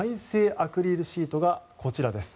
アクリルシートがこちらです。